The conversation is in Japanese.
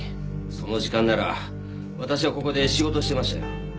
その時間なら私はここで仕事してましたよ。